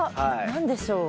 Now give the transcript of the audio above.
何でしょう？